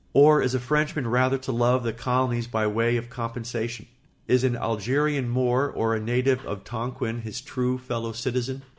Or is a Frenchman rather to love the colonies by way of compensation? Is an Algerian Moor or a native of Tonquin his true fellow citizen?